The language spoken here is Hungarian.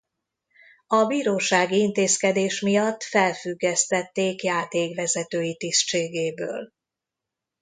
A bírósági intézkedés miatt felfüggesztették játékvezetői tisztségéből.